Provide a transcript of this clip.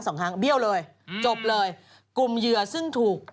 สวัสดีค่าข้าวใส่ไข่